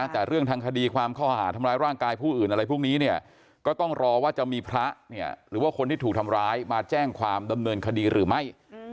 แต่เรื่องทางคดีความข้อหาทำร้ายร่างกายผู้อื่นอะไรพวกนี้เนี่ยก็ต้องรอว่าจะมีพระเนี่ยหรือว่าคนที่ถูกทำร้ายมาแจ้งความดำเนินคดีหรือไม่